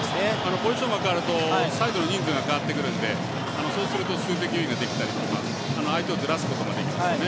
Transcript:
ポジションが変わるとサイドの人数が変わってくるのでそうすると数的優位ができたりとか相手をずらすことができますね。